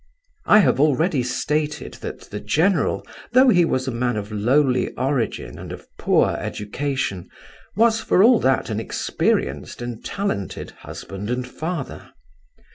I have already stated that the general, though he was a man of lowly origin, and of poor education, was, for all that, an experienced and talented husband and father.